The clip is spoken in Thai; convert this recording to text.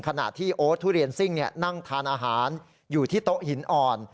ขณะที่โอ๊ตทุเรียนซิ่งนั่งทานอาหารอยู่ที่โต๊ะหินอ่อน